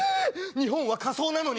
日本は火葬なのに？